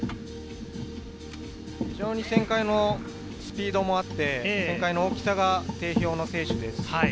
非常に旋回のスピードもあって、旋回の大きさが定評の選手です。